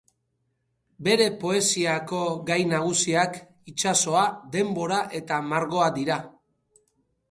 Bere poesiako gai nagusiak itsasoa, denbora eta margoa dira.